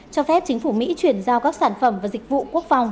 cho phép chính phủ mỹ chuyển giao các sản phẩm và dịch vụ quốc phòng